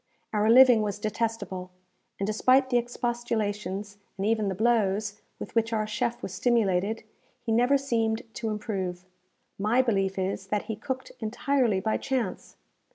Our living was detestable; and despite the expostulations, and even the blows, with which our chef was stimulated, he never seemed to improve. My belief is, that he cooked entirely by chance.